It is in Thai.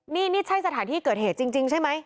นี่นี่ใช่สถานที่เกิดเหตุจริงใช่ไหม